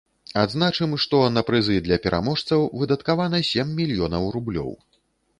Адзначым, што на прызы для пераможцаў выдаткавана сем мільёнаў рублёў.